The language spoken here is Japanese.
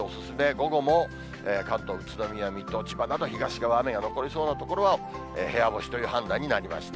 午後も関東、宇都宮、水戸、千葉など東側、雨が残りそうな所は部屋干しという判断になりました。